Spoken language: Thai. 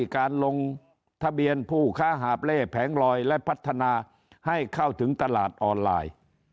การลงทะเบียนผู้ค้าหาบเล่แผงลอยและพัฒนาให้เข้าถึงตลาดออนไลน์